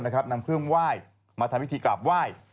นำเครื่องไหว้มาทำพิธีกราบไหว้